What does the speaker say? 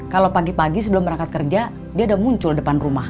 kalau pagi pagi sebelum berangkat kerja dia udah muncul depan rumah